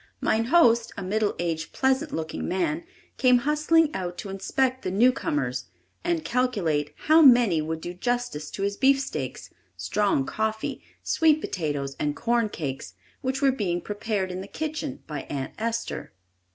"Mine host," a middle aged, pleasant looking man, came hustling out to inspect the newcomers, and calculate how many would do justice to his beefsteaks, strong coffee, sweet potatoes and corn cakes, which were being prepared in the kitchen by Aunt Esther.